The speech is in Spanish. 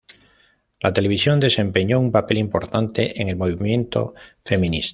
La televisión desempeñó un papel importante en el movimiento feminista.